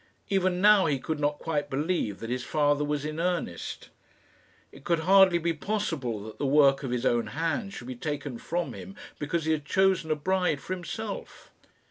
Even now he could not quite believe that his father was in earnest. It could hardly be possible that the work of his own hands should be taken from him because he had chosen a bride for himself!